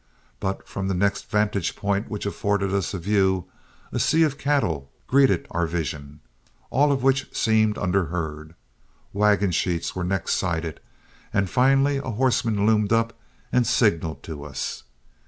But from the next vantage point which afforded us a view, a sea of cattle greeted our vision, all of which seemed under herd. Wagon sheets were next sighted, and finally a horseman loomed up and signaled to us.